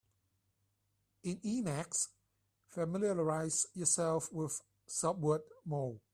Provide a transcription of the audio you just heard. In Emacs, familiarize yourself with subword mode.